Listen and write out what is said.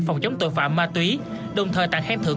phòng chống tội phạm ma túy đồng thời tặng khen thưởng